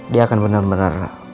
dia akan bener bener